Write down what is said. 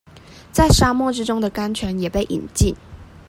在沙漠之中的甘泉也被飲盡